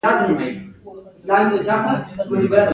د ژبې غلط استعمال نورو بدۍ بيانې کړي.